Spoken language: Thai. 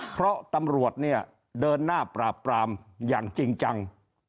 เพราะตำรวจเนี่ยเดินหน้าปราบปรามอย่างจริงจัง